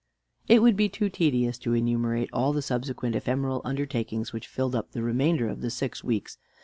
It would be too tedious to enumerate all the subsequent ephemeral undertakings which filled up the remainder of the six weeks.